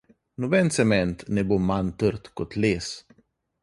Noben cement ne bo manj trd kot les.